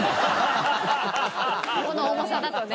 この重さだとね。